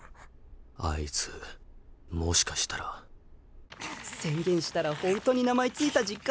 あいつもしかしたら宣言したらほんとに名前付いた実感わいてきた。